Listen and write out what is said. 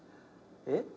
えっ？